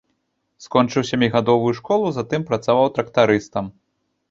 Скончыў сямігадовую школу, затым працаваў трактарыстам.